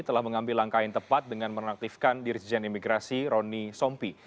telah mengambil langkah yang tepat dengan menonaktifkan dirijen imigrasi roni sompi